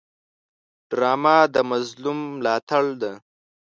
ډرامه د مظلوم ملاتړ ده